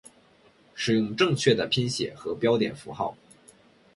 使用正确的拼写和标点符号